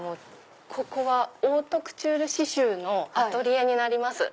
ここはオートクチュール刺繍のアトリエになります。